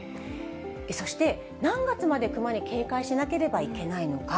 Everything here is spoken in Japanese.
そして、何月までクマに警戒しなければいけないのか。